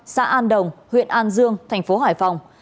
xã an đồng huyện an dương tp hải phòng